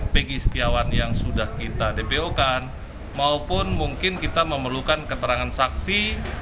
pegi setiawan yang sudah kita dpo kan maupun mungkin kita memerlukan keterangan saksi